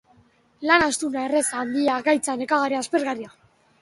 Lan astuna, erraza, handia, gaitza, nekagarria, aspergarria.